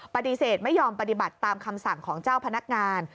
ปฏิเสธไม่ยอมปฏิบัติตามคำสั่งของเจ้าพนักงาน